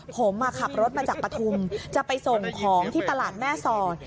ผมขับรถมาจากปฐุมจะไปส่งของที่ตลาดแม่สอด